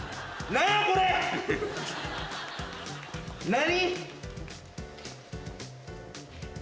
何？